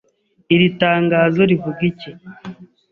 Iri tangazo rivuga iki